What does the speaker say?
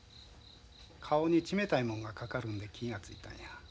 顔に冷たいもんがかかるんで気が付いたんや。